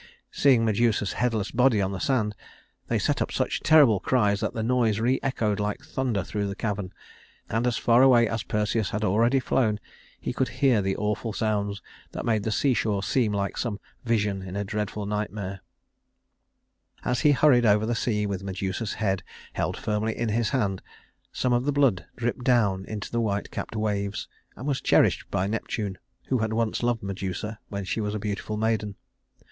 Seeing Medusa's headless body on the sand, they set up such terrible cries that the noise re echoed like thunder through the cavern, and as far away as Perseus had already flown, he could hear the awful sounds that made the seashore seem like some vision in a dreadful nightmare. [Illustration: Perseus] As he hurried over the sea with Medusa's head held firmly in his hand, some of the blood dripped down into the white capped waves and was cherished by Neptune, who had once loved Medusa when she was a beautiful maiden.